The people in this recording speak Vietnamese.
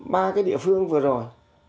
ba cái địa phương vừa rồi